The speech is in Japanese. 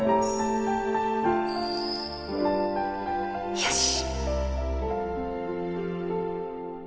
よし。